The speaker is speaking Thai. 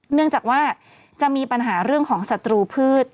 เนื่องจากว่าจะมีปัญหาเรื่องของศัตรูพืช